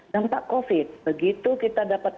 dampak covid begitu kita dapat